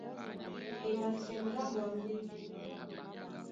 E maseŋgá ɓwambí.